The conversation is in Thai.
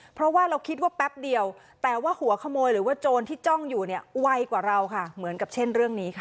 เพราะว่าเราคิดว่าแป๊บเดียวแต่ว่าหัวขโมยหรือว่าโจรที่จ้องอยู่เนี่ยไวกว่าเราค่ะเหมือนกับเช่นเรื่องนี้ค่ะ